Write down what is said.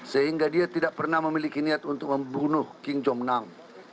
sehingga dia tidak pernah memiliki niat untuk membunuh king jong nam